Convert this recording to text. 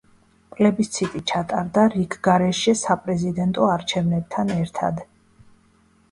პლებისციტი ჩატარდა რიგგარეშე საპრეზიდენტო არჩევნებთან ერთად.